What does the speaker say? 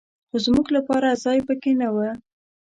خو زمونږ لپاره ځای په کې نه و.